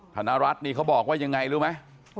ธนรัฐนี่เขาบอกว่ายังไงรู้ไหม